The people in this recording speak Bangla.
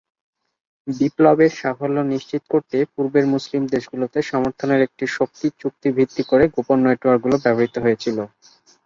বিপ্লবের সাফল্য নিশ্চিত করতে পূর্বের মুসলিম দেশগুলিতে সমর্থনের একটি শক্তির ভিত্তি তৈরি করতে গোপন নেটওয়ার্কগুলি ব্যবহৃত হয়েছিল।